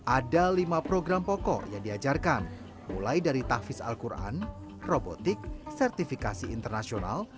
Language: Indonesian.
ada lima program pokok yang diajarkan mulai dari tahfiz al quran robotik sertifikasi internasional